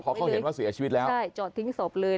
เพราะเขาเห็นว่าเสียชีวิตแล้วใช่จอดทิ้งศพเลย